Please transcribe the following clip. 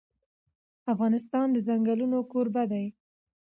افغانستان د ځنګلونه کوربه دی.